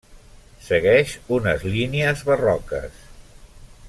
Segueix unes línies barroques.